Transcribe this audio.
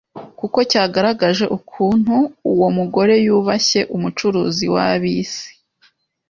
kuko cyagaragaje ukuntu uwo mugore yubashye Umucunguzi w'ab'isi